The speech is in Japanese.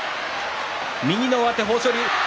右の上手、豊昇龍。